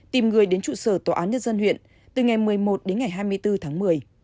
tìm người đến trụ sở tòa án nhân dân huyện từ ngày một mươi một đến ngày hai mươi bốn tháng một mươi